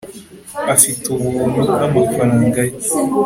afite ubuntu n'amafaranga ye